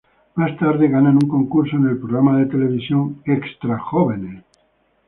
Más tarde ganan un concurso en el programa de televisión Extra jóvenes.